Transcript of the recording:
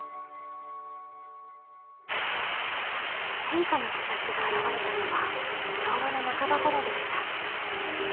変化の兆しが表れたのは昭和の半ば頃でした。